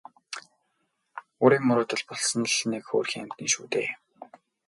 Үрийн мөрөөдөл болсон л нэг хөөрхий амьтан шүү дээ.